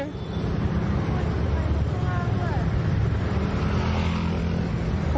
มันมีไฟมาข้างล่างด้วย